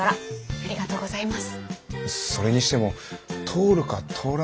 ありがとうございます。